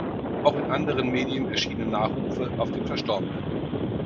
Auch in anderen Medien erschienen Nachrufe auf den Verstorbenen.